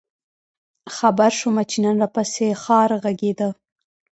خبـــــر شومه چې نن راپســـې ښار غـــــږېده؟